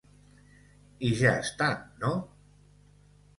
I ja està, no?